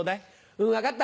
うん、分かった。